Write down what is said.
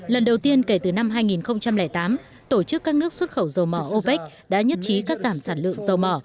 lần đầu tiên kể từ năm hai nghìn tám tổ chức các nước xuất khẩu dầu mỏ opec đã nhất trí cắt giảm sản lượng dầu mỏ